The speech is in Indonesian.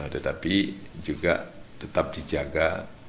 tetapi juga tetap dijaga